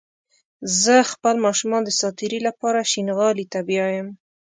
زه خپل ماشومان د ساعتيرى لپاره شينغالي ته بيايم